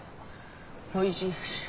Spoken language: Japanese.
おいしい。